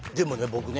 僕ね